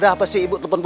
apa ya our lady